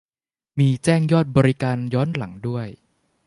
มีแจ้งยอดบริจาคย้อนหลังด้วย